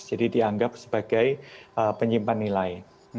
jadi dianggap sebagai penyimpan nilai